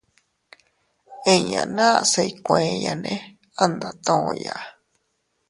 Inña naʼa se iykueyane a ndatuya.